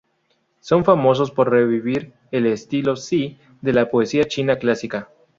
Son famosos por revivir el estilo "Ci" de la poesía china clásica.